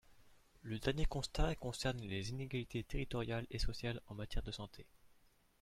Le dernier constat concerne les inégalités territoriales et sociales en matière de santé.